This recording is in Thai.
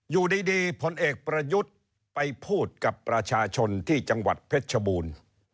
อยู่ดีผลเอกประยุทธ์ไปพูดกับประชาชนที่จังหวัดเพชรชบูรณ์